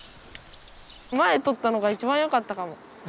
前撮ったのが一番よかったかも。